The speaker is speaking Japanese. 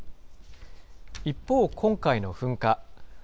一方、今回の噴火。